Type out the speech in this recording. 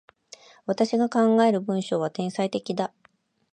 私が考える文章は、天才的だ。